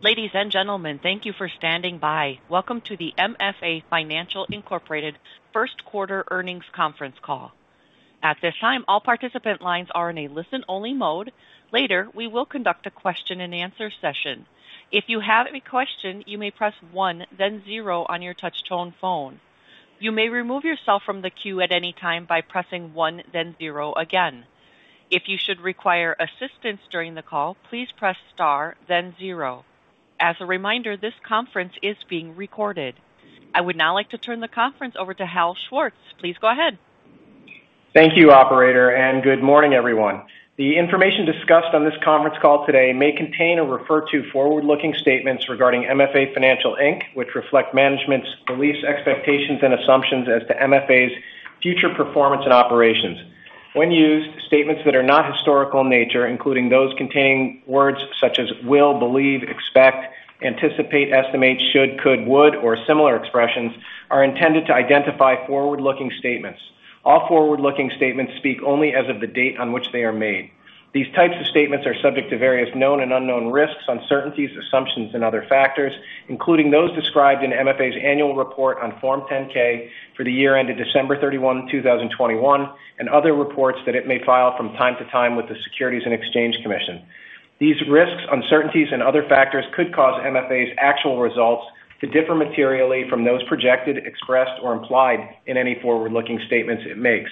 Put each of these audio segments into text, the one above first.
Ladies and gentlemen, thank you for standing by. Welcome to the MFA Financial Incorporated first quarter earnings conference call. At this time, all participant lines are in a listen-only mode. Later, we will conduct a question and answer session. If you have any question, you may press one, then zero on your touch-tone phone. You may remove yourself from the queue at any time by pressing one, then zero again. If you should require assistance during the call, please press star then zero. As a reminder, this conference is being recorded. I would now like to turn the conference over to Hal Schwartz. Please go ahead. Thank you, operator, and good morning, everyone. The information discussed on this conference call today may contain or refer to forward-looking statements regarding MFA Financial Inc., which reflect management's beliefs, expectations, and assumptions as to MFA's future performance and operations. When used, statements that are not historical in nature, including those containing words such as will, believe, expect, anticipate, estimate, should, could, would, or similar expressions, are intended to identify forward-looking statements. All forward-looking statements speak only as of the date on which they are made. These types of statements are subject to various known and unknown risks, uncertainties, assumptions, and other factors, including those described in MFA's annual report on Form 10-K for the year ended December 31, 2021, and other reports that it may file from time to time with the Securities and Exchange Commission. These risks, uncertainties, and other factors could cause MFA's actual results to differ materially from those projected, expressed or implied in any forward-looking statements it makes.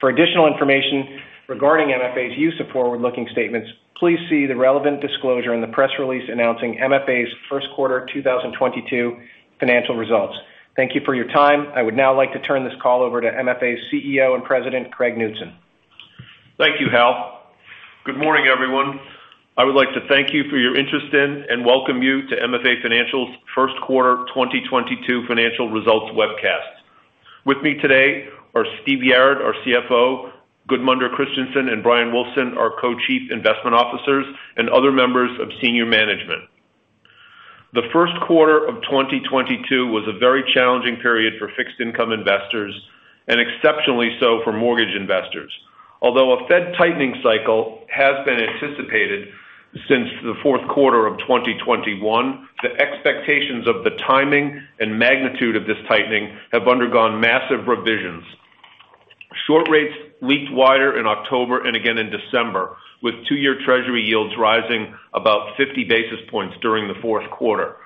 For additional information regarding MFA's use of forward-looking statements, please see the relevant disclosure in the press release announcing MFA's first quarter 2022 financial results. Thank you for your time. I would now like to turn this call over to MFA's CEO and President, Craig Knutson. Thank you, Hal. Good morning, everyone. I would like to thank you for your interest in and welcome you to MFA Financial's first quarter 2022 financial results webcast. With me today are Stephen Yarad, our CFO, Gudmundur Kristjánsson and Bryan Wulfsohn, our co-chief investment officers, and other members of senior management. The first quarter of 2022 was a very challenging period for fixed income investors and exceptionally so for mortgage investors. Although a Fed tightening cycle has been anticipated since the fourth quarter of 2021, the expectations of the timing and magnitude of this tightening have undergone massive revisions. Short rates leaked wider in October and again in December, with two-year Treasury yields rising about 50 basis points during the fourth quarter.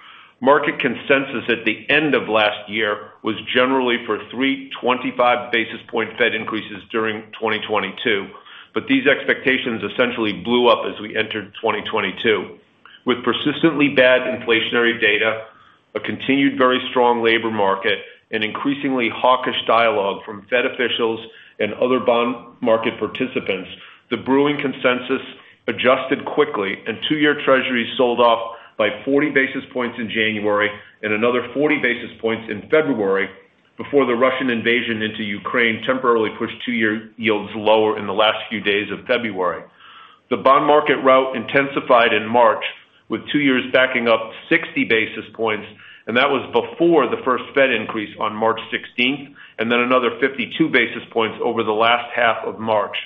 Market consensus at the end of last year was generally for three 25-basis-point Fed increases during 2022, but these expectations essentially blew up as we entered 2022. With persistently bad inflationary data, a continued very strong labor market, and increasingly hawkish dialogue from Fed officials and other bond market participants, the brewing consensus adjusted quickly, and two-year Treasuries sold off by 40 basis points in January and another 40 basis points in February before the Russian invasion into Ukraine temporarily pushed two-year yields lower in the last few days of February. The bond market rout intensified in March, with two-year backing up 60 basis points, and that was before the first Fed increase on March 16, and then another 52 basis points over the last half of March.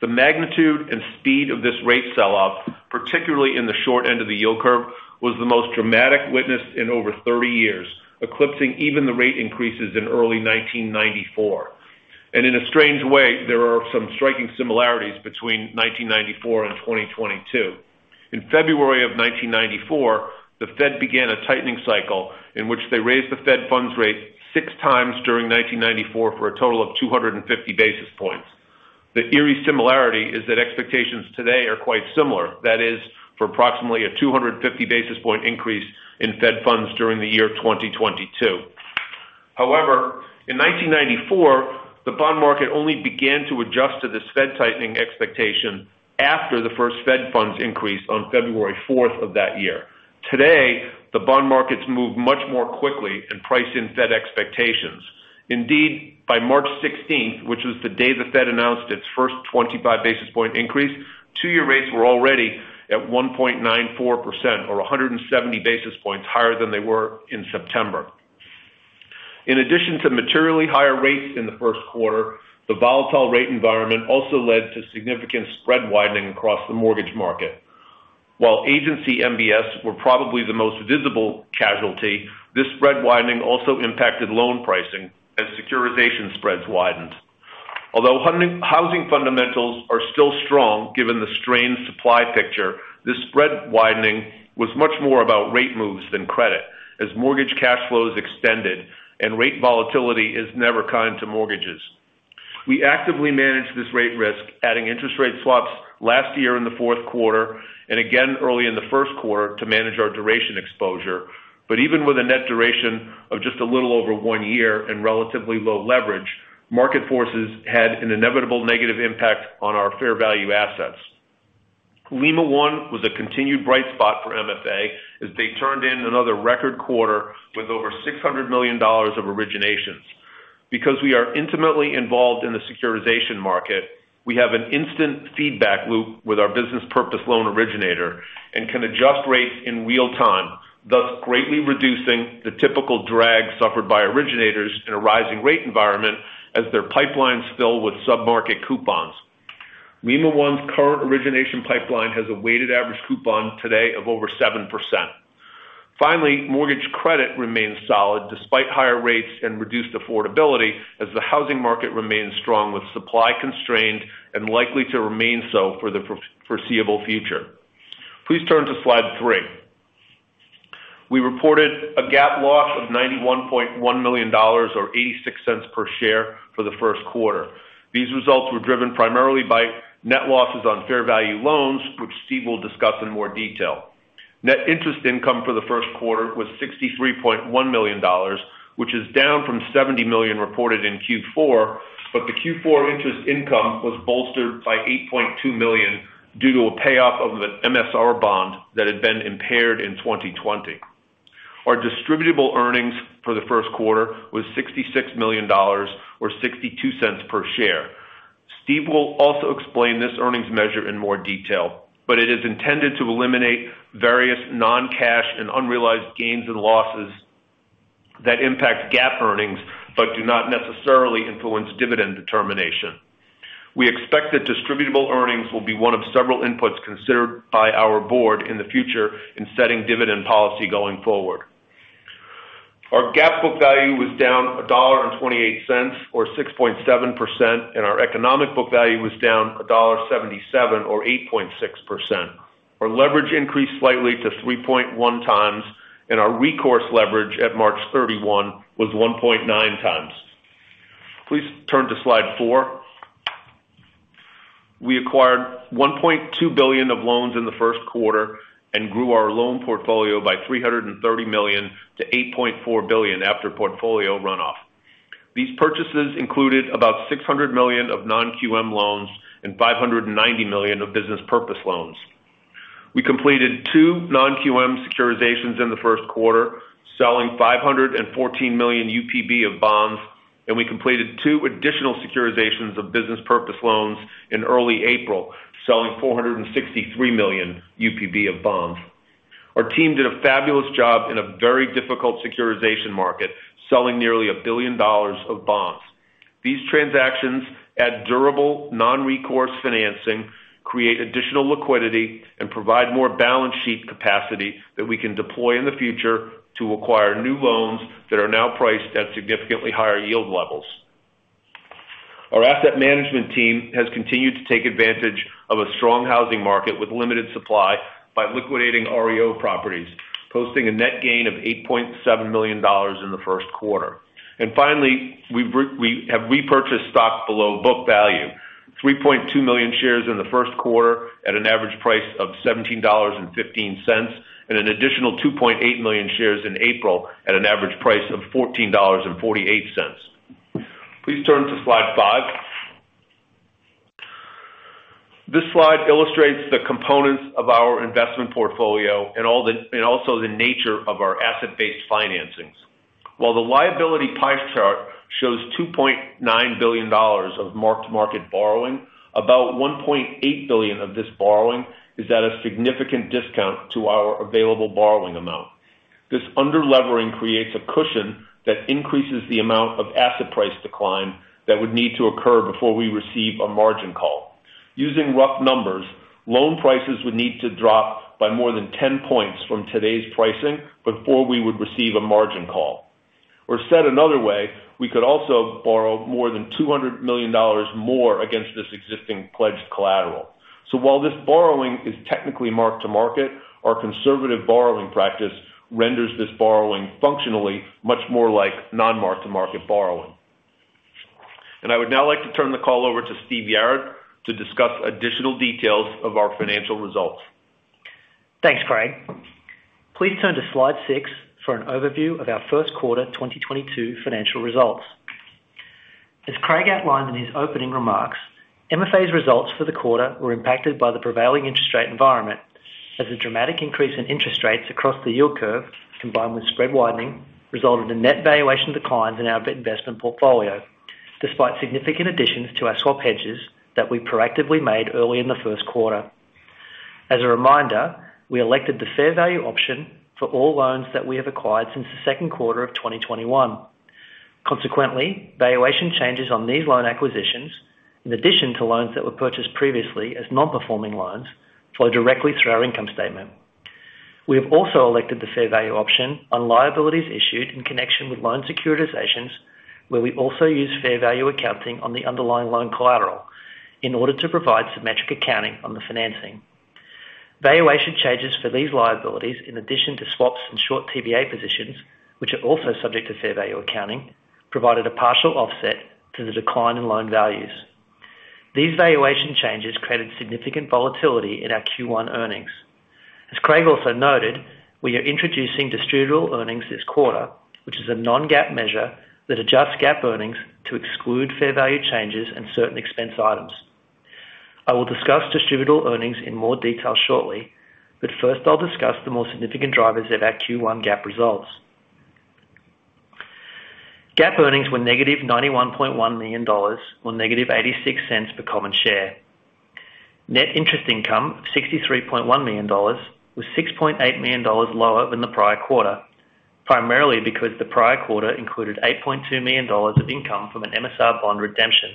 The magnitude and speed of this rate sell-off, particularly in the short end of the yield curve, was the most dramatic witnessed in over 30 years, eclipsing even the rate increases in early 1994. In a strange way, there are some striking similarities between 1994 and 2022. In February of 1994, the Fed began a tightening cycle in which they raised the Fed funds rate six times during 1994 for a total of 250 basis points. The eerie similarity is that expectations today are quite similar, that is, for approximately a 250 basis point increase in Fed funds during the year 2022. However, in 1994, the bond market only began to adjust to this Fed tightening expectation after the first Fed funds increase on February 4 of that year. Today, the bond markets move much more quickly and price in Fed expectations. Indeed, by March 16th, which was the day the Fed announced its first 25 basis point increase, two-year rates were already at 1.94%, or 170 basis points higher than they were in September. In addition to materially higher rates in the first quarter, the volatile rate environment also led to significant spread widening across the mortgage market. While agency MBS were probably the most visible casualty, this spread widening also impacted loan pricing as securitization spreads widened. Although housing fundamentals are still strong, given the strained supply picture, this spread widening was much more about rate moves than credit as mortgage cash flows extended and rate volatility is never kind to mortgages. We actively manage this rate risk, adding interest rate swaps last year in the fourth quarter and again early in the first quarter to manage our duration exposure. Even with a net duration of just a little over one year and relatively low leverage, market forces had an inevitable negative impact on our fair value assets. Lima One was a continued bright spot for MFA as they turned in another record quarter with over $600 million of originations. Because we are intimately involved in the securitization market, we have an instant feedback loop with our business purpose loan originator and can adjust rates in real time, thus greatly reducing the typical drag suffered by originators in a rising rate environment as their pipelines fill with sub-market coupons. Lima One's current origination pipeline has a weighted average coupon today of over 7%. Finally, mortgage credit remains solid despite higher rates and reduced affordability as the housing market remains strong with supply constrained and likely to remain so for the foreseeable future. Please turn to slide three. We reported a GAAP loss of $91.1 million or $0.86 per share for the first quarter. These results were driven primarily by net losses on fair value loans, which Steve will discuss in more detail. Net interest income for the first quarter was $63.1 million, which is down from $70 million reported in Q4, but the Q4 interest income was bolstered by $8.2 million due to a payoff of an MSR bond that had been impaired in 2020. Our distributable earnings for the first quarter was $66 million or $0.62 per share. Steve will also explain this earnings measure in more detail, but it is intended to eliminate various non-cash and unrealized gains and losses that impact GAAP earnings, but do not necessarily influence dividend determination. We expect that distributable earnings will be one of several inputs considered by our board in the future in setting dividend policy going forward. Our GAAP book value was down $1.28, or 6.7%, and our economic book value was down $1.77, or 8.6%. Our leverage increased slightly to 3.1x, and our recourse leverage at March 31 was 1.9x. Please turn to slide four. We acquired $1.2 billion of loans in the first quarter and grew our loan portfolio by $330 million to $8.4 billion after portfolio runoff. These purchases included about $600 million of non-QM loans and $590 million of business purpose loans. We completed two non-QM securitizations in the first quarter, selling $514 million UPB of bonds, and we completed two additional securitizations of business purpose loans in early April, selling $463 million UPB of bonds. Our team did a fabulous job in a very difficult securitization market, selling nearly $1 billion of bonds. These transactions add durable non-recourse financing, create additional liquidity, and provide more balance sheet capacity that we can deploy in the future to acquire new loans that are now priced at significantly higher yield levels. Our asset management team has continued to take advantage of a strong housing market with limited supply by liquidating REO properties, posting a net gain of $8.7 million in the first quarter. Finally, we have repurchased stock below book value, 3.2 million shares in the first quarter at an average price of $17.15, and an additional 2.8 million shares in April at an average price of $14.48. Please turn to slide five. This slide illustrates the components of our investment portfolio and also the nature of our asset-based financings. While the liability pie chart shows $2.9 billion of mark-to-market borrowing, about $1.8 billion of this borrowing is at a significant discount to our available borrowing amount. This under-levering creates a cushion that increases the amount of asset price decline that would need to occur before we receive a margin call. Using rough numbers, loan prices would need to drop by more than 10 points from today's pricing before we would receive a margin call. Said another way, we could also borrow more than $200 million more against this existing pledged collateral. While this borrowing is technically mark-to-market, our conservative borrowing practice renders this borrowing functionally much more like non-mark-to-market borrowing. I would now like to turn the call over to Stephen Yarad to discuss additional details of our financial results. Thanks, Craig. Please turn to slide six for an overview of our first quarter 2022 financial results. As Craig outlined in his opening remarks, MFA's results for the quarter were impacted by the prevailing interest rate environment as a dramatic increase in interest rates across the yield curve, combined with spread widening, resulted in net valuation declines in our investment portfolio despite significant additions to our swap hedges that we proactively made early in the first quarter. As a reminder, we elected the fair value option for all loans that we have acquired since the second quarter of 2021. Consequently, valuation changes on these loan acquisitions, in addition to loans that were purchased previously as non-performing loans, flow directly through our income statement. We have also elected the fair value option on liabilities issued in connection with loan securitizations, where we also use fair value accounting on the underlying loan collateral in order to provide symmetric accounting on the financing. Valuation changes for these liabilities, in addition to swaps and short TBA positions, which are also subject to fair value accounting, provided a partial offset to the decline in loan values. These valuation changes created significant volatility in our Q1 earnings. As Craig also noted, we are introducing distributable earnings this quarter, which is a non-GAAP measure that adjusts GAAP earnings to exclude fair value changes and certain expense items. I will discuss distributable earnings in more detail shortly, but first I'll discuss the more significant drivers of our Q1 GAAP results. GAAP earnings were negative $91.1 million, or negative $0.86 per common share. Net interest income, $63.1 million, was $6.8 million lower than the prior quarter. Primarily because the prior quarter included $8.2 million of income from an MSR bond redemption.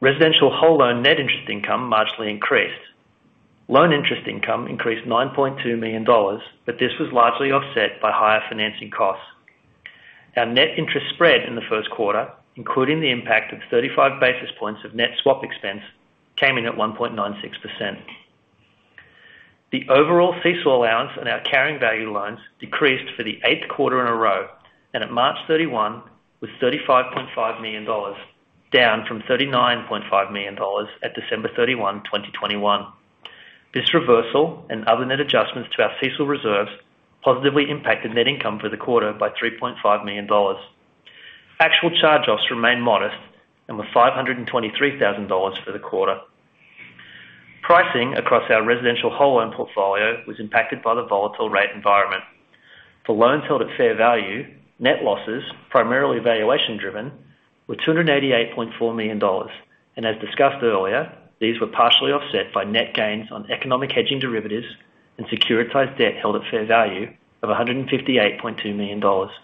Residential whole loan net interest income marginally increased. Loan interest income increased $9.2 million, but this was largely offset by higher financing costs. Our net interest spread in the first quarter, including the impact of 35 basis points of net swap expense, came in at 1.96%. The overall CECL allowance on our carrying value loans decreased for the eighth quarter in a row, and at March 31 was $35.5 million, down from $39.5 million at December 31, 2021. This reversal and other net adjustments to our CECL reserves positively impacted net income for the quarter by $3.5 million. Actual charge-offs remained modest and were $523,000 for the quarter. Pricing across our residential whole loan portfolio was impacted by the volatile rate environment. For loans held at fair value, net losses, primarily valuation driven, were $288.4 million. As discussed earlier, these were partially offset by net gains on economic hedging derivatives and securitized debt held at fair value of $158.2 million. Also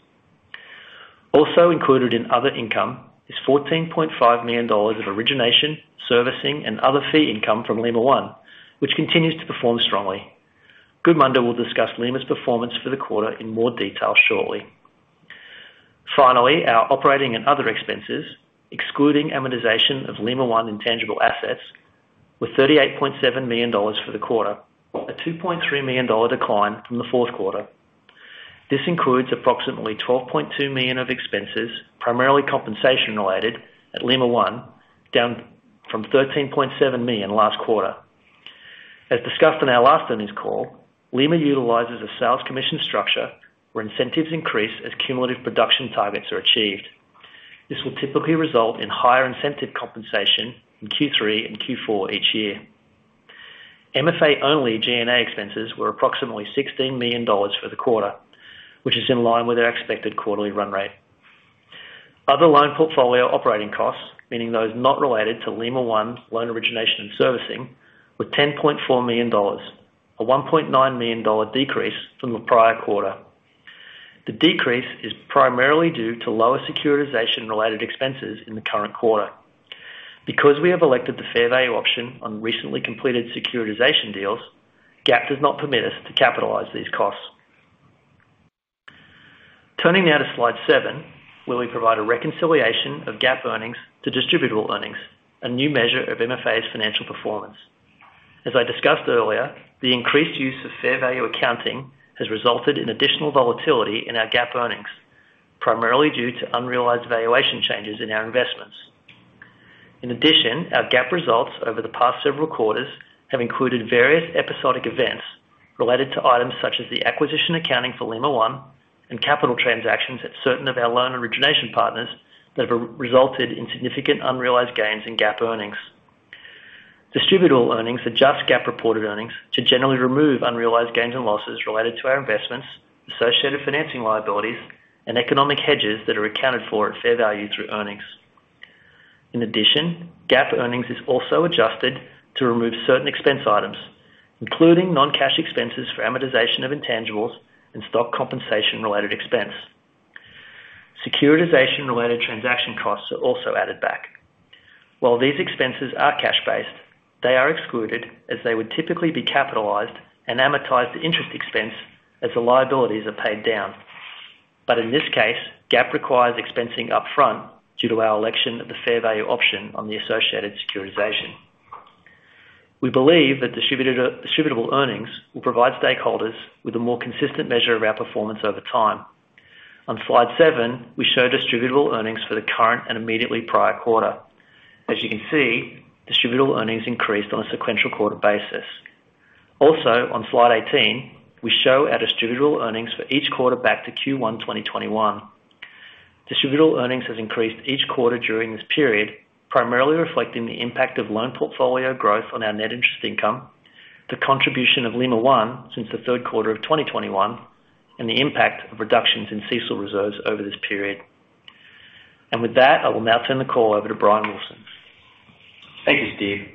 included in other income is $14.5 million of origination, servicing, and other fee income from Lima One, which continues to perform strongly. Gudmundur Kristjansson will discuss Lima's performance for the quarter in more detail shortly. Finally, our operating and other expenses, excluding amortization of Lima One intangible assets, were $38.7 million for the quarter, a $2.3 million decline from the fourth quarter. This includes approximately $12.2 million of expenses, primarily compensation related at Lima One, down from $13.7 million last quarter. As discussed on our last earnings call, Lima utilizes a sales commission structure where incentives increase as cumulative production targets are achieved. This will typically result in higher incentive compensation in Q3 and Q4 each year. MFA only G&A expenses were approximately $16 million for the quarter, which is in line with our expected quarterly run rate. Other loan portfolio operating costs, meaning those not related to Lima One loan origination and servicing, were $10.4 million, a $1.9 million decrease from the prior quarter. The decrease is primarily due to lower securitization-related expenses in the current quarter. Because we have elected the fair value option on recently completed securitization deals, GAAP does not permit us to capitalize these costs. Turning now to slide seven, where we provide a reconciliation of GAAP earnings to distributable earnings, a new measure of MFA's financial performance. As I discussed earlier, the increased use of fair value accounting has resulted in additional volatility in our GAAP earnings, primarily due to unrealized valuation changes in our investments. In addition, our GAAP results over the past several quarters have included various episodic events related to items such as the acquisition accounting for Lima One and capital transactions at certain of our loan origination partners that have resulted in significant unrealized gains in GAAP earnings. Distributable earnings adjust GAAP reported earnings to generally remove unrealized gains and losses related to our investments, associated financing liabilities, and economic hedges that are accounted for at fair value through earnings. In addition, GAAP earnings is also adjusted to remove certain expense items, including non-cash expenses for amortization of intangibles and stock compensation related expense. Securitization related transaction costs are also added back. While these expenses are cash based, they are excluded as they would typically be capitalized and amortized the interest expense as the liabilities are paid down. In this case, GAAP requires expensing up front due to our election of the fair value option on the associated securitization. We believe that distributable earnings will provide stakeholders with a more consistent measure of our performance over time. On slide 7, we show distributable earnings for the current and immediately prior quarter. As you can see, distributable earnings increased on a sequential quarter basis. Also, on slide 18, we show our distributable earnings for each quarter back to Q1 2021. Distributable earnings has increased each quarter during this period, primarily reflecting the impact of loan portfolio growth on our net interest income, the contribution of Lima One since the third quarter of 2021, and the impact of reductions in CECL reserves over this period. With that, I will now turn the call over to Bryan Wulfsohn. Thank you, Steve.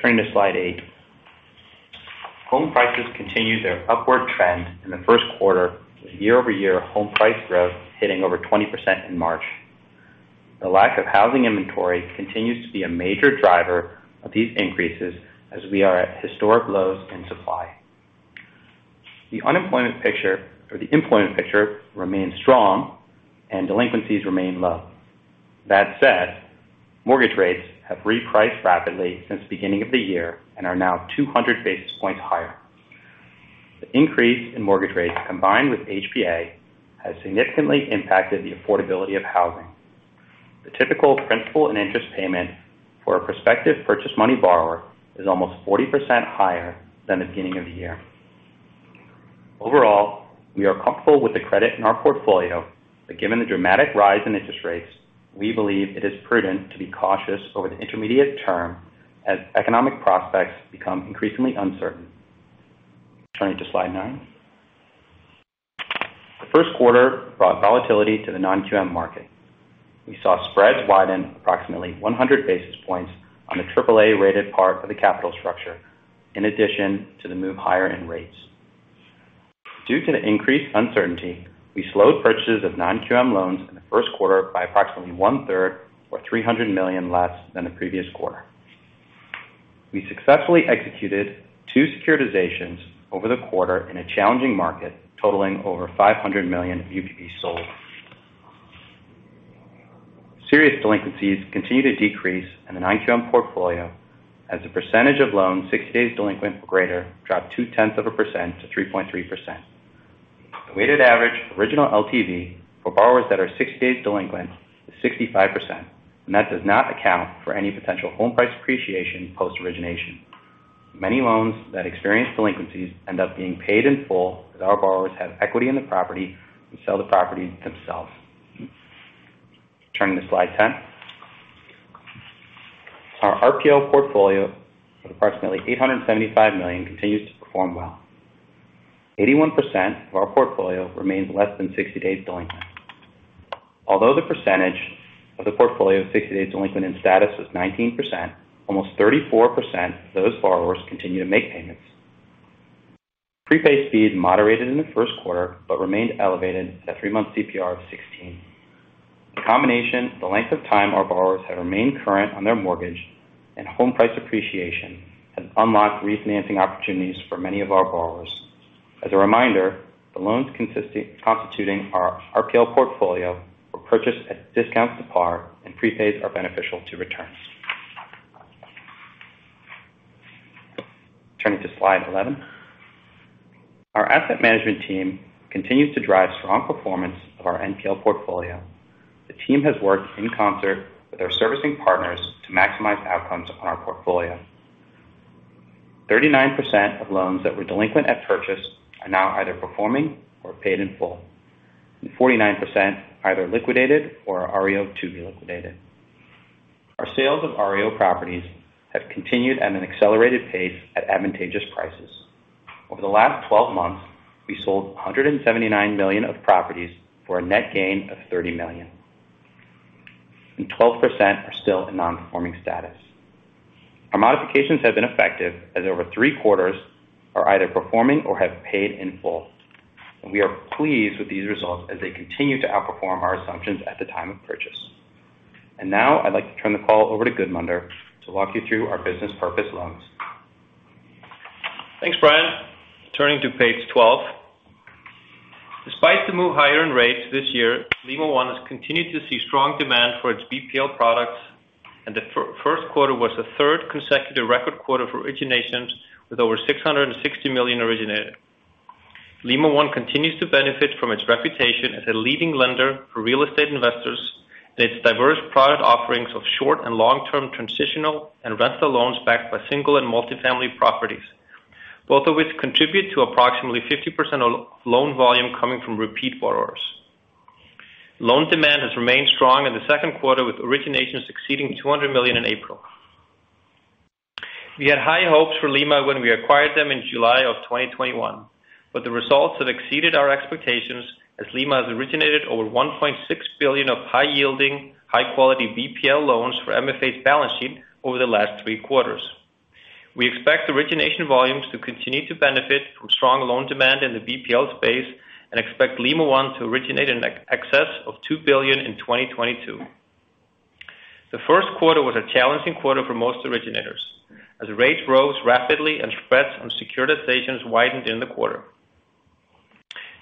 Turning to slide 8. Home prices continued their upward trend in the first quarter with year-over-year home price growth hitting over 20% in March. The lack of housing inventory continues to be a major driver of these increases as we are at historic lows in supply. The unemployment picture or the employment picture remains strong and delinquencies remain low. That said, mortgage rates have repriced rapidly since the beginning of the year and are now 200 basis points higher. The increase in mortgage rates, combined with HPA, has significantly impacted the affordability of housing. The typical principal and interest payment for a prospective purchase money borrower is almost 40% higher than the beginning of the year. Overall, we are comfortable with the credit in our portfolio, but given the dramatic rise in interest rates, we believe it is prudent to be cautious over the intermediate term as economic prospects become increasingly uncertain. Turning to slide 9. The first quarter brought volatility to the non-QM market. We saw spreads widen approximately 100 basis points on the AAA-rated part of the capital structure in addition to the move higher in rates. Due to the increased uncertainty, we slowed purchases of non-QM loans in the first quarter by approximately 1/3 or $300 million less than the previous quarter. We successfully executed two securitizations over the quarter in a challenging market totaling over $500 million UPB sold. Serious delinquencies continue to decrease in the non-QM portfolio as a percentage of loans 60 days delinquent or greater dropped 0.2% to 3.3%. The weighted average original LTV for borrowers that are 60 days delinquent is 65%, and that does not account for any potential home price appreciation post-origination. Many loans that experience delinquencies end up being paid in full as our borrowers have equity in the property and sell the property themselves. Turning to slide 10. Our RPL portfolio of approximately $875 million continues to perform well. 81% of our portfolio remains less than 60 days delinquent. Although the percentage of the portfolio 60 days delinquent in status was 19%, almost 34% of those borrowers continue to make payments. Prepay speeds moderated in the first quarter, but remained elevated at a three-month CPR of 16%. The combination, the length of time our borrowers have remained current on their mortgage and home price appreciation has unlocked refinancing opportunities for many of our borrowers. As a reminder, the loans constituting our RPL portfolio were purchased at discounts to par and prepayments are beneficial to returns. Turning to slide 11. Our asset management team continues to drive strong performance of our NPL portfolio. The team has worked in concert with our servicing partners to maximize outcomes upon our portfolio. 39% of loans that were delinquent at purchase are now either performing or paid in full, and 49% either liquidated or are REO to be liquidated. Our sales of REO properties have continued at an accelerated pace at advantageous prices. Over the last 12 months, we sold $179 million of properties for a net gain of $30 million. 12% are still in non-performing status. Our modifications have been effective as over three-quarters are either performing or have paid in full. We are pleased with these results as they continue to outperform our assumptions at the time of purchase. Now I'd like to turn the call over to Gudmundur to walk you through our business purpose loans. Thanks, Brian. Turning to page 12. Despite the move higher in rates this year, Lima One has continued to see strong demand for its BPL products, and the first quarter was the third consecutive record quarter for originations with over $660 million originated. Lima One continues to benefit from its reputation as a leading lender for real estate investors and its diverse product offerings of short and long-term transitional and rental loans backed by single and multi-family properties, both of which contribute to approximately 50% of loan volume coming from repeat borrowers. Loan demand has remained strong in the second quarter, with originations exceeding $200 million in April. We had high hopes for Lima when we acquired them in July 2021, but the results have exceeded our expectations as Lima has originated over $1.6 billion of high-yielding, high-quality BPL loans for MFA's balance sheet over the last three quarters. We expect origination volumes to continue to benefit from strong loan demand in the BPL space and expect Lima One to originate in excess of $2 billion in 2022. The first quarter was a challenging quarter for most originators as rates rose rapidly and spreads on securitizations widened in the quarter.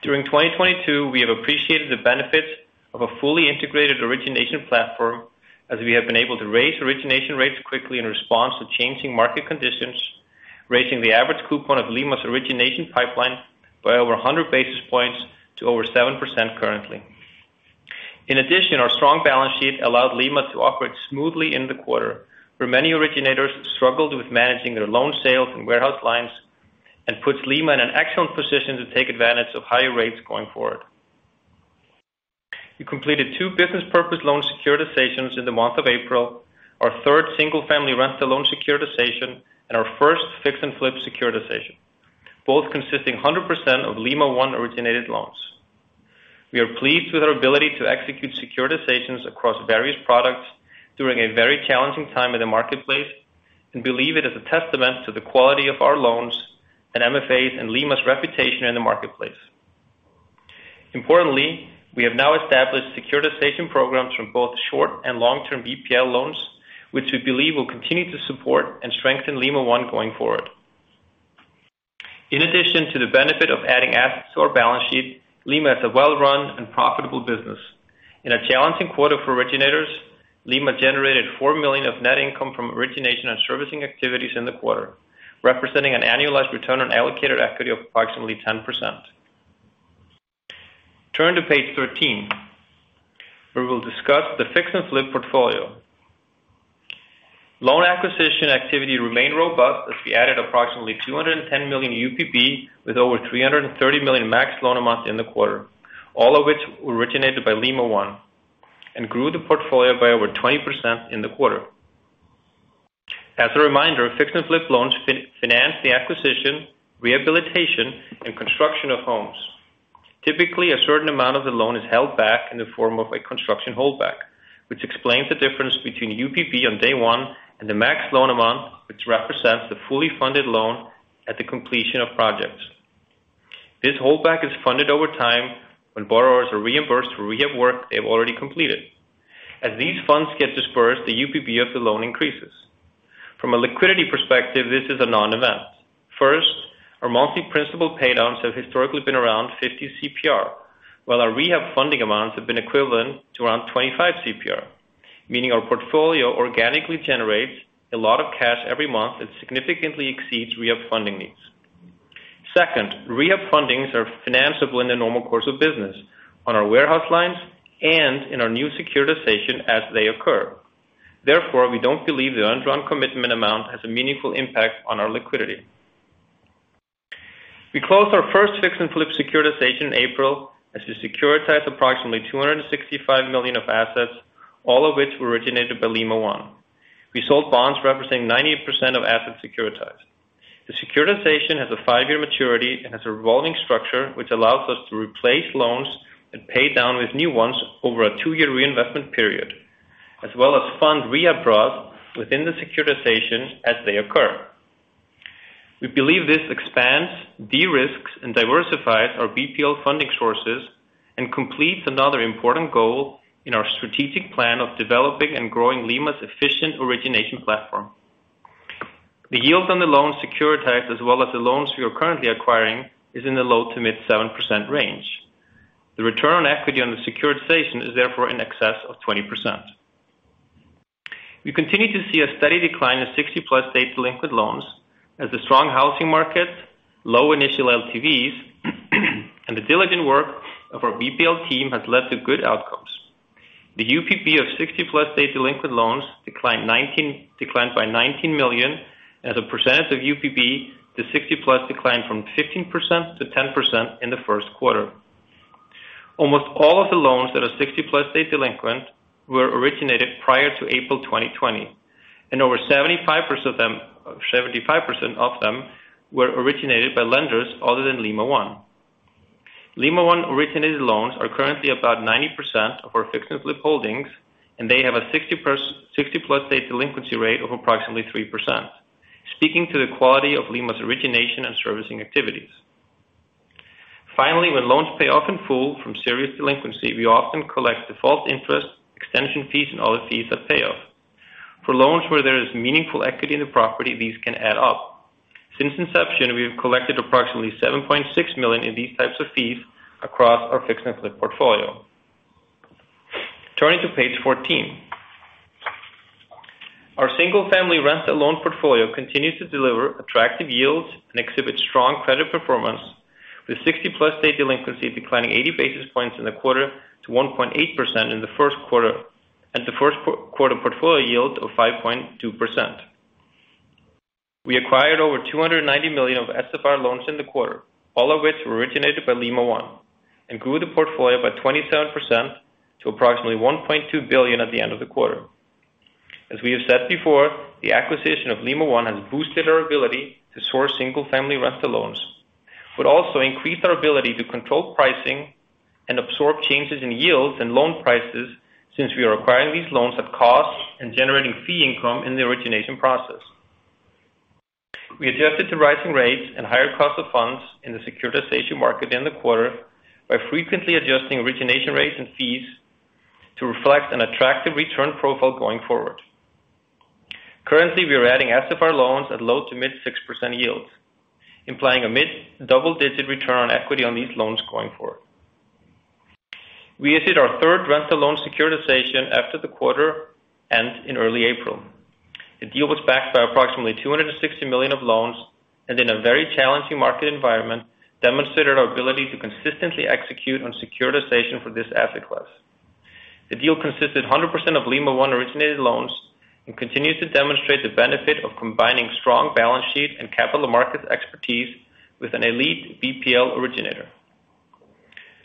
During 2022, we have appreciated the benefits of a fully integrated origination platform as we have been able to raise origination rates quickly in response to changing market conditions, raising the average coupon of Lima's origination pipeline by over 100 basis points to over 7% currently. In addition, our strong balance sheet allowed Lima to operate smoothly in the quarter, where many originators struggled with managing their loan sales and warehouse lines, and puts Lima in an excellent position to take advantage of higher rates going forward. We completed two business purpose loans securitizations in the month of April. Our third single-family rental loan securitization and our first fix and flip securitization, both consisting 100% of Lima One originated loans. We are pleased with our ability to execute securitizations across various products during a very challenging time in the marketplace and believe it is a testament to the quality of our loans and MFA's and Lima's reputation in the marketplace. Importantly, we have now established securitization programs from both short and long-term BPL loans, which we believe will continue to support and strengthen Lima One going forward. In addition to the benefit of adding assets to our balance sheet, Lima is a well-run and profitable business. In a challenging quarter for originators, Lima generated $4 million of net income from origination and servicing activities in the quarter, representing an annualized return on allocated equity of approximately 10%. Turn to page 13, where we'll discuss the fix and flip portfolio. Loan acquisition activity remained robust as we added approximately $210 million UPB with over $330 million max loan amount in the quarter. All of which were originated by Lima One and grew the portfolio by over 20% in the quarter. As a reminder, fix and flip loans finance the acquisition, rehabilitation, and construction of homes. Typically, a certain amount of the loan is held back in the form of a construction holdback, which explains the difference between UPB on day one and the max loan amount, which represents the fully funded loan at the completion of projects. This holdback is funded over time when borrowers are reimbursed for rehab work they've already completed. As these funds get dispersed, the UPB of the loan increases. From a liquidity perspective, this is a non-event. First, our monthly principal paydowns have historically been around 50 CPR, while our rehab funding amounts have been equivalent to around 25 CPR, meaning our portfolio organically generates a lot of cash every month that significantly exceeds rehab funding needs. Second, rehab fundings are financiable in the normal course of business on our warehouse lines and in our new securitization as they occur. Therefore, we don't believe the undrawn commitment amount has a meaningful impact on our liquidity. We closed our first fix and flip securitization in April as we securitized approximately $265 million of assets, all of which were originated by Lima One. We sold bonds representing 90% of assets securitized. The securitization has a five-year maturity and has a revolving structure, which allows us to replace loans and pay down with new ones over a two-year reinvestment period, as well as fund rehab draws within the securitization as they occur. We believe this expands, de-risks, and diversifies our BPL funding sources and completes another important goal in our strategic plan of developing and growing Lima's efficient origination platform. The yield on the loans securitized, as well as the loans we are currently acquiring, is in the low-to-mid 7% range. The return on equity on the securitization is therefore in excess of 20%. We continue to see a steady decline in 60+ day delinquent loans as the strong housing market, low initial LTVs, and the diligent work of our BPL team has led to good outcomes. The UPB of 60+ day delinquent loans declined by $19 million. As a percentage of UPB, the 60+ declined from 15% to 10% in the first quarter. Almost all of the loans that are 60+ day delinquent were originated prior to April 2020, and over 75% of them were originated by lenders other than Lima One. Lima One-originated loans are currently about 90% of our fix and flip holdings, and they have a 60+ day delinquency rate of approximately 3%, speaking to the quality of Lima's origination and servicing activities. Finally, when loans pay off in full from serious delinquency, we often collect default interest, extension fees, and other fees at payoff. For loans where there is meaningful equity in the property, these can add up. Since inception, we have collected approximately $7.6 million in these types of fees across our fix and flip portfolio. Turning to page 14. Our single-family rental loan portfolio continues to deliver attractive yields and exhibits strong credit performance, with 60+ day delinquency declining 80 basis points in the quarter to 1.8% in the first quarter, at the first quarter portfolio yield of 5.2%. We acquired over $290 million of SFR loans in the quarter, all of which were originated by Lima One, and grew the portfolio by 27% to approximately $1.2 billion at the end of the quarter. As we have said before, the acquisition of Lima One has boosted our ability to source single-family rental loans, but also increased our ability to control pricing and absorb changes in yields and loan prices since we are acquiring these loans at cost and generating fee income in the origination process. We adjusted to rising rates and higher cost of funds in the securitization market in the quarter by frequently adjusting origination rates and fees to reflect an attractive return profile going forward. Currently, we are adding SFR loans at low- to mid-6% yields, implying a mid-double-digit return on equity on these loans going forward. We issued our third rental loan securitization after the quarter and in early April. The deal was backed by approximately $260 million of loans, and in a very challenging market environment, demonstrated our ability to consistently execute on securitization for this asset class. The deal consisted of 100% of Lima One-originated loans and continues to demonstrate the benefit of combining strong balance sheet and capital markets expertise with an elite BPL originator.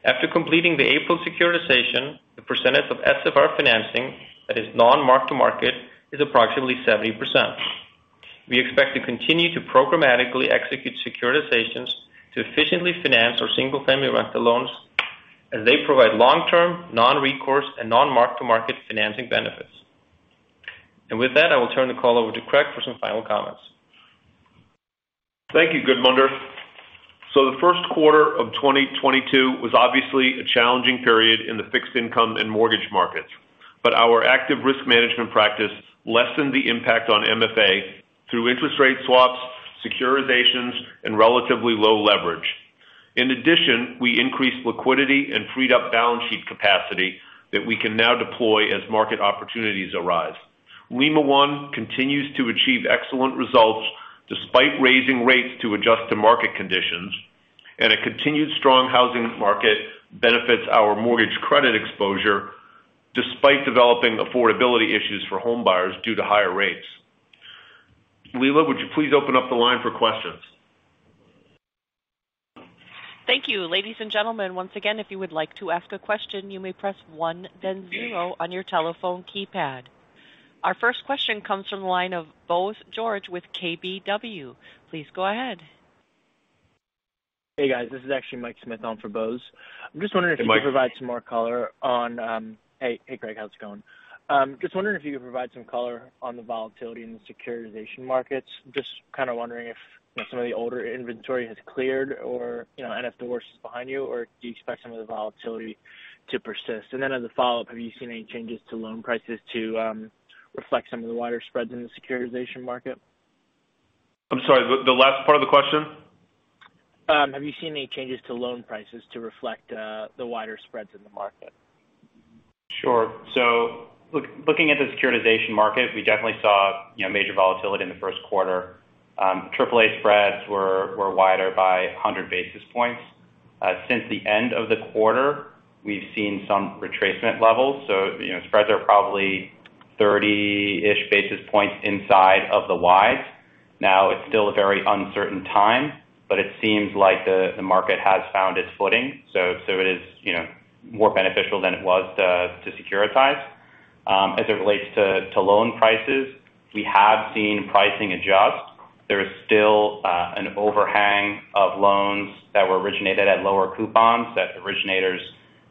After completing the April securitization, the percentage of SFR financing that is non-mark-to-market is approximately 70%. We expect to continue to programmatically execute securitizations to efficiently finance our single-family rental loans as they provide long-term, non-recourse, and non-mark-to-market financing benefits. With that, I will turn the call over to Craig for some final comments. Thank you, Gudmundur. The first quarter of 2022 was obviously a challenging period in the fixed income and mortgage markets. Our active risk management practice lessened the impact on MFA through interest rate swaps, securitizations, and relatively low leverage. In addition, we increased liquidity and freed up balance sheet capacity that we can now deploy as market opportunities arise. Lima One continues to achieve excellent results despite raising rates to adjust to market conditions. A continued strong housing market benefits our mortgage credit exposure despite developing affordability issues for homebuyers due to higher rates. Leela, would you please open up the line for questions? Thank you. Ladies and gentlemen, once again, if you would like to ask a question, you may press one then zero on your telephone keypad. Our first question comes from the line of Bose George with KBW. Please go ahead. Hey, guys. This is actually Mike Roper on for Bose. Hey, hey, Greg, how's it going? Just wondering if you could provide some color on the volatility in the securitization markets. Just kinda wondering if, you know, some of the older inventory has cleared or, you know, and if the worst is behind you, or do you expect some of the volatility to persist? As a follow-up, have you seen any changes to loan prices to reflect some of the wider spreads in the securitization market? I'm sorry, the last part of the question. Have you seen any changes to loan prices to reflect the wider spreads in the market? Sure. Looking at the securitization market, we definitely saw, you know, major volatility in the first quarter. Triple A spreads were wider by 100 basis points. Since the end of the quarter, we've seen some retracement levels. You know, spreads are probably 30-ish basis points inside of the wides. Now, it's still a very uncertain time, but it seems like the market has found its footing. It is, you know, more beneficial than it was to securitize. As it relates to loan prices, we have seen pricing adjust. There is still an overhang of loans that were originated at lower coupons that originators,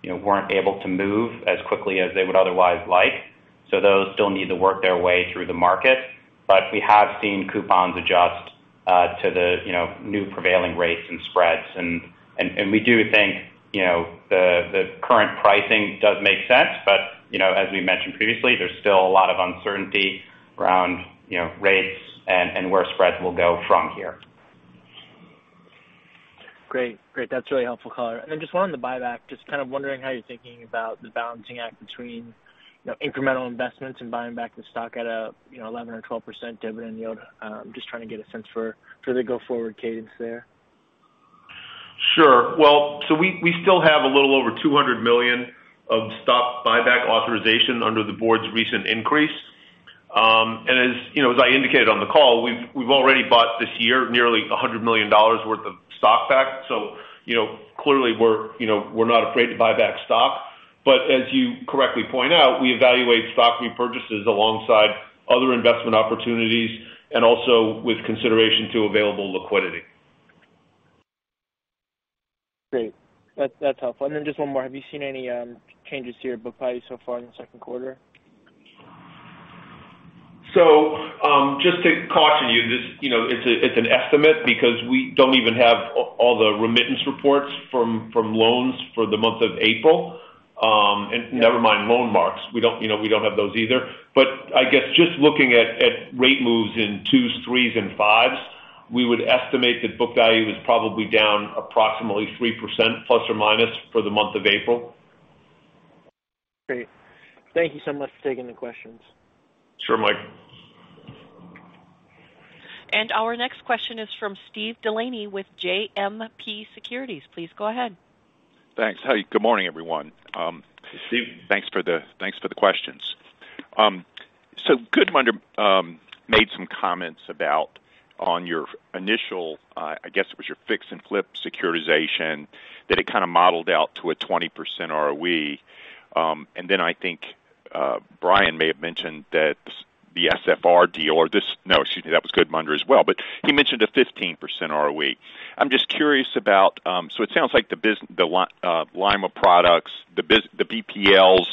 you know, weren't able to move as quickly as they would otherwise like. So those still need to work their way through the market. We have seen coupons adjust to the you know new prevailing rates and spreads. We do think you know the current pricing does make sense. You know as we mentioned previously there's still a lot of uncertainty around you know rates and where spreads will go from here. Great. That's really helpful color. Then just one on the buyback, just kind of wondering how you're thinking about the balancing act between, you know, incremental investments and buying back the stock at a, you know, 11% or 12% dividend yield. Just trying to get a sense for the go-forward cadence there. Sure. Well, we still have a little over $200 million of stock buyback authorization under the board's recent increase. As you know, as I indicated on the call, we've already bought this year nearly $100 million worth of stock back. You know, clearly we're not afraid to buy back stock. As you correctly point out, we evaluate stock repurchases alongside other investment opportunities, and also with consideration to available liquidity. Great. That's helpful. Just one more. Have you seen any changes to your book value so far in the second quarter? Just to caution you, this, you know, it's an estimate because we don't even have all the remittance reports from loans for the month of April. Never mind loan marks. We don't, you know, have those either. I guess just looking at rate moves in twos, threes, and fives, we would estimate that book value is probably down approximately 3% ± for the month of April. Great. Thank you so much for taking the questions. Sure, Mike. Our next question is from Steve DeLaney with JMP Securities. Please go ahead. Thanks. Hey, good morning, everyone. Hey, Steve. Thanks for the questions. Gudmundur made some comments about your initial, I guess it was your fix and flip securitization, that it kinda modeled out to a 20% ROE. I think Bryan may have mentioned that the SFR deal or this. No, excuse me. That was Gudmundur Kristjansson as well, but he mentioned a 15% ROE. I'm just curious about, so it sounds like the Lima One Capital products, the BPLs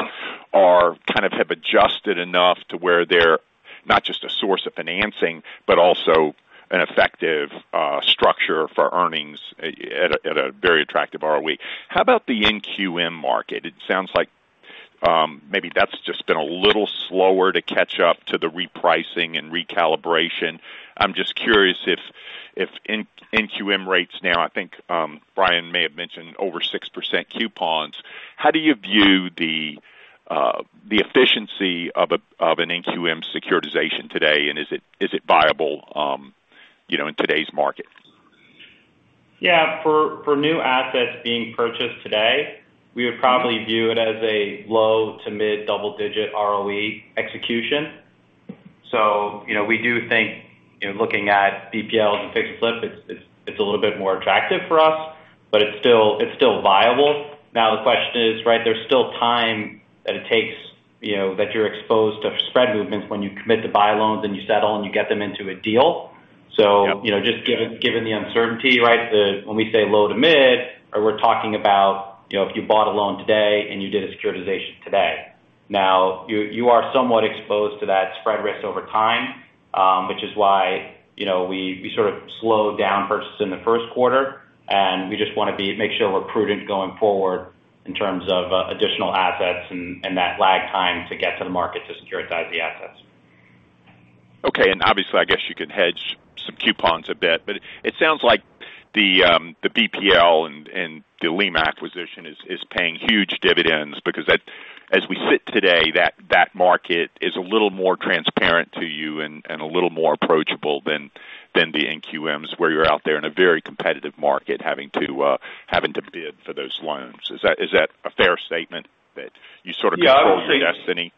are kind of have adjusted enough to where they're not just a source of financing, but also an effective structure for earnings at a very attractive ROE. How about the NQM market? It sounds like maybe that's just been a little slower to catch up to the repricing and recalibration. I'm just curious if non-QM rates now. I think Bryan may have mentioned over 6% coupons. How do you view the efficiency of an non-QM securitization today, and is it viable, you know, in today's market? Yeah. For new assets being purchased today, we would probably view it as a low to mid double-digit ROE execution. You know, we do think, you know, looking at BPLs and fix and flip, it's a little bit more attractive for us, but it's still viable. Now, the question is, right, there's still time that it takes, you know, that you're exposed to spread movements when you commit to buy loans, and you settle, and you get them into a deal. Yep. You know, just given the uncertainty, right, when we say low to mid, we're talking about, you know, if you bought a loan today and you did a securitization today. Now, you are somewhat exposed to that spread risk over time, which is why, you know, we sort of slowed down purchases in the first quarter, and we just wanna make sure we're prudent going forward in terms of additional assets and that lag time to get to the market to securitize the assets. Okay. Obviously, I guess you can hedge some coupons a bit, but it sounds like the BPL and the Lima acquisition is paying huge dividends because that, as we sit today, that market is a little more transparent to you and a little more approachable than the NQMs, where you're out there in a very competitive market having to have those loans. Is that a fair statement that you sort of control your destiny?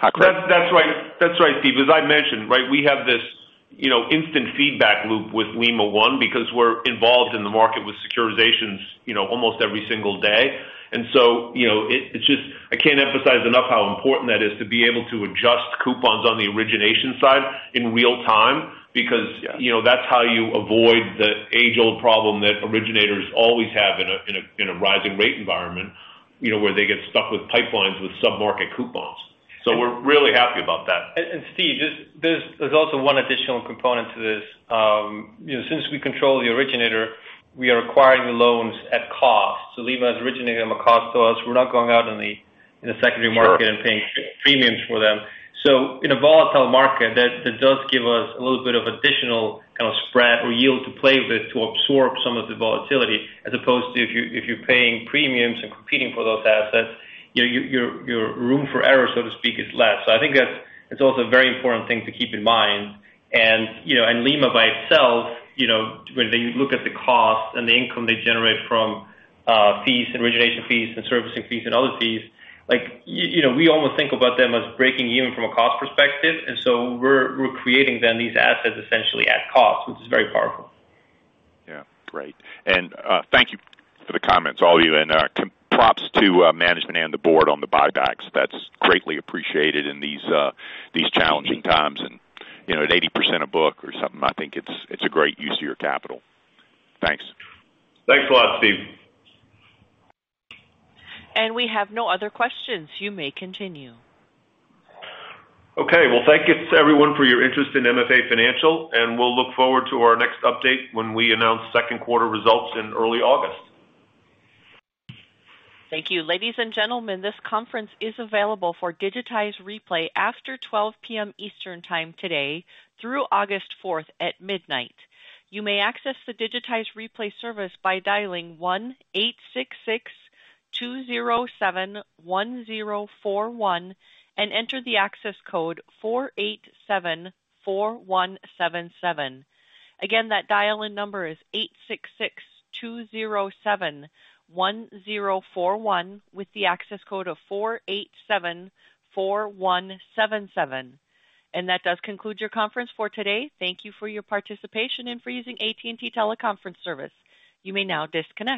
That's right, Steve. As I mentioned, right, we have this, you know, instant feedback loop with Lima One because we're involved in the market with securitizations, you know, almost every single day. You know, it's just I can't emphasize enough how important that is to be able to adjust coupons on the origination side in real time, because, you know, that's how you avoid the age-old problem that originators always have in a rising rate environment, you know, where they get stuck with pipelines with submarket coupons. We're really happy about that. Steve, there's also one additional component to this. You know, since we control the originator, we are acquiring the loans at cost. Lima is originating them at cost to us. We're not going out in the secondary market and paying premiums for them. In a volatile market, that does give us a little bit of additional kind of spread or yield to play with to absorb some of the volatility as opposed to if you're paying premiums and competing for those assets, you know, your room for error, so to speak, is less. I think that's also a very important thing to keep in mind. You know, and Lima by itself, you know, when you look at the cost and the income they generate from fees and origination fees and servicing fees and other fees, like, you know, we almost think about them as breaking even from a cost perspective. We're creating then these assets essentially at cost, which is very powerful. Yeah. Great. Thank you for the comments, all of you. Props to management and the board on the buybacks. That's greatly appreciated in these challenging times. You know, at 80% of book or something, I think it's a great use of your capital. Thanks. Thanks a lot, Steve. We have no other questions. You may continue. Okay. Well, thank you to everyone for your interest in MFA Financial, and we'll look forward to our next update when we announce second quarter results in early August. Thank you. Ladies and gentlemen, this conference is available for digitized replay after 12 P.M. Eastern time today through August fourth at midnight. You may access the digitized replay service by dialing 1-866-207-1041 and enter the access code 4874177. Again, that dial-in number is 1-866-207-1041 with the access code of 4874177. That does conclude your conference for today. Thank you for your participation and for using AT&T teleconference service. You may now disconnect.